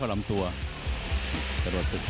เผ่าฝั่งโขงหมดยก๒